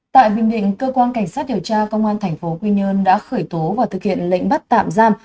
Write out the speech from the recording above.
tại bình định cơ quan cảnh sát điều tra công an tp quy nhơn đã khởi tố và thực hiện lệnh bắt tạm giam